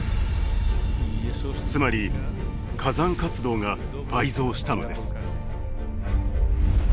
つまり火山活動が倍増したのです。